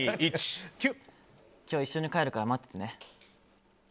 今日、一緒に帰るから待っててね。